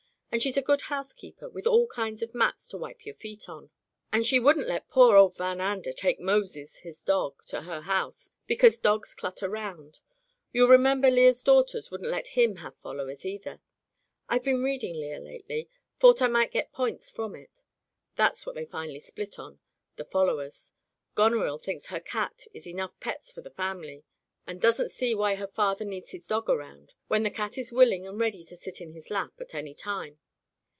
And she's a good housekeeper, with all kinds of mats to wipe your feet on; and she wouldn't let poor old Van Ander take Moses, his dog, to her house, because dogs clutter 'round. You'll remember Lear's daughters wouldn't let him have followers, either. I've been read ing Lear lately; thought I might get points from it. That's what they finally split on — the followers. Goneril thinks her cat is enough pets for the family, and doesn't see [ 322 ] Digitized by LjOOQ IC Turned Out to Grass why her father needs his dog around, when the cat is willing and ready to sit in his lap at any time.